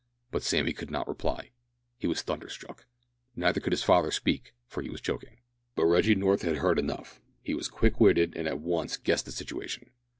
But Sammy could not reply. He was thunderstruck. Neither could his father speak, for he was choking. But Reggie North had heard enough. He was quick witted, and at once guessed the situation.